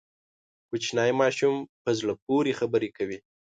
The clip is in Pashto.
کوچنی ماشوم په زړه پورې خبرې کوي.